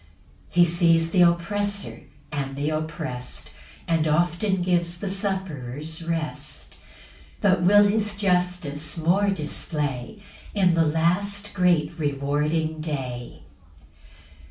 6 He sees th' oppressor and th' opprest, And often gives the sufferers rest; But will his justice more display In the last great rewarding day.